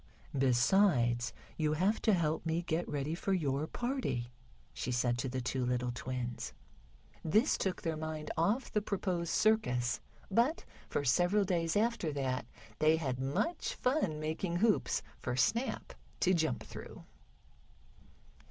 "Besides, you have to help me get ready for your party," she said to the two little twins. This took their mind off the proposed circus, but for several days after that they had much fun making hoops for Snap to jump through.